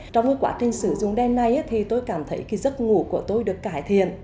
trong quá trình sử dụng đèn này tôi cảm thấy giấc ngủ của tôi được cải thiện